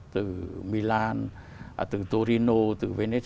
từ milan từ torino từ venezuela